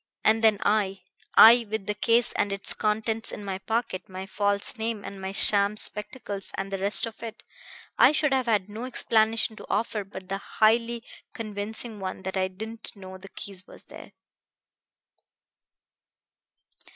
And then I I with the case and its contents in my pocket, my false name and my sham spectacles and the rest of it I should have had no explanation to offer but the highly convincing one that I didn't know the key was there."